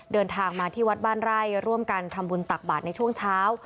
เดินทางมาที่วัดบ้านไร่ร่วมกันทำบุญตักบาทในช่วงเช้า